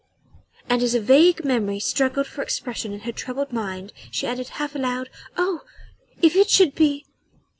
And as a vague memory struggled for expression in her troubled mind she added half aloud: "Oh! if it should be